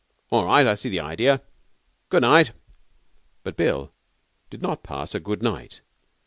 All right, I see the idea. Good night.' But Bill did not pass a good night.